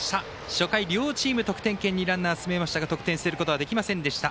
初回、両チームともに得点圏にランナーを進めましたが得点することはできませんでした。